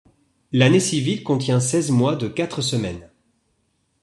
L'année civile contient seize mois de quatre semaines.